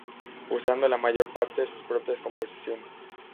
Usando, la mayor parte, sus propias composiciones.